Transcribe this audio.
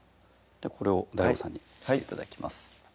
これをＤＡＩＧＯさんにして頂きます